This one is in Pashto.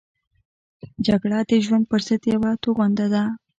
جګړه د ژوند پرضد یوه توغنده ده